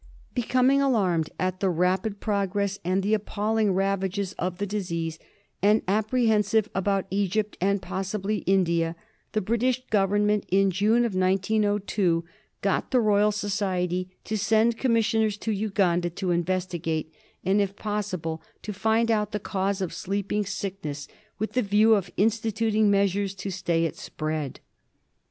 Becoming alarmed at the rapid progress and the appalling ravages of the disease, and apprehensive about Egypt and possibly India, the British Government, in June, 1902, got the Royal Society to send commissioners to Uganda to investigate, and if possible to find out the cause of Sleeping Sickness, with the view of instituting measures to stay its spread.